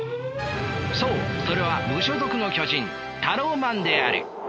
そうそれは無所属の巨人タローマンである。